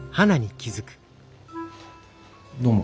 どうも。